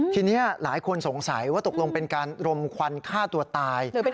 ทีนี้หลายคนสงสัยว่าตกลงเป็นการรมควันฆ่าตัวตาย